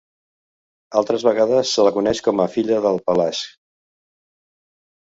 Altres vegades se la coneix com a filla de Pelasg.